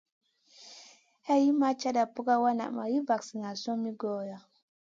Hay li ma cata pukawa naʼ ma li vaksination mi goora.